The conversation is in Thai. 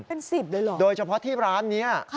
เป็น๑๐เลยเหรอโดยเฉพาะที่ร้านนี้